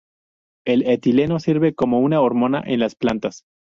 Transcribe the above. El etileno sirve como una hormona en las plantas.